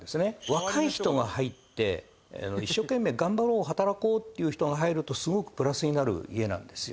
若い人が入って一生懸命頑張ろう働こうっていう人が入るとすごくプラスになる家なんですよ。